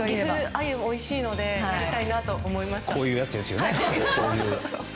アユがおいしいので行きたいなと思います。